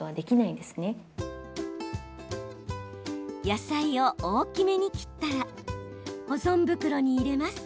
野菜を大きめに切ったら保存袋に入れます。